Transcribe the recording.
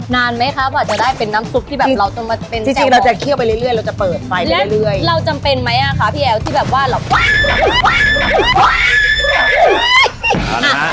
นานไหมครับว่าจะได้เป็นน้ำซุปที่แบบเราจะมาเป็นแจ่งออก